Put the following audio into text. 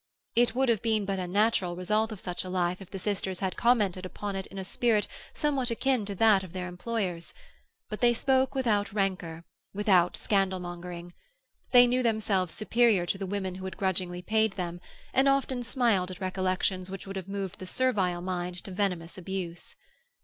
It would have been but a natural result of such a life if the sisters had commented upon it in a spirit somewhat akin to that of their employers; but they spoke without rancour, without scandalmongering. They knew themselves superior to the women who had grudgingly paid them, and often smiled at recollections which would have moved the servile mind to venomous abuse.